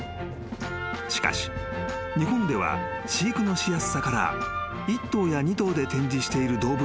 ［しかし日本では飼育のしやすさから１頭や２頭で展示している動物園がほとんどだった］